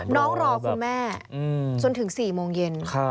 รอคุณแม่จนถึง๔โมงเย็น